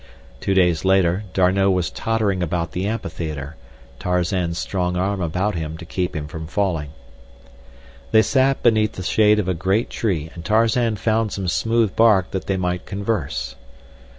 Two days later, D'Arnot was tottering about the amphitheater, Tarzan's strong arm about him to keep him from falling. They sat beneath the shade of a great tree, and Tarzan found some smooth bark that they might converse.